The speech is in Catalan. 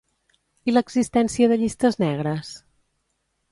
I l'existència de llistes negres?